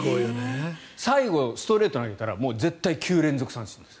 最後ストレートを投げたら絶対に９連続三振。